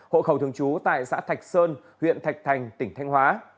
hộ khẩu thường trú tại xã thạch sơn huyện thạch thành tỉnh thanh hóa